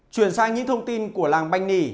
chuyển sang những thông tin của làng banh nghỉ